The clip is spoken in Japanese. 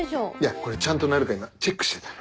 これちゃんと鳴るか今チェックしてたの。